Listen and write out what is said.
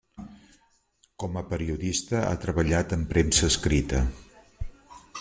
Com a periodista ha treballat en premsa escrita.